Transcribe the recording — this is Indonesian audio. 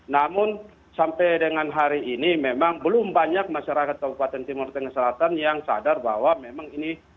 namun sampai dengan hari ini memang belum banyak masyarakat kabupaten timur tengah selatan yang sadar bahwa memang ini